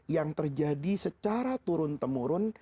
yang terjadi secara turun temurun